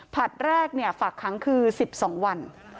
ภาคแรกฝักขังคือ๑๒วัน